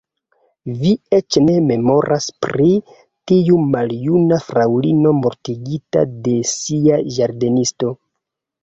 Vi eĉ ne memoras pri tiu maljuna fraŭlino mortigita de sia ĝardenisto.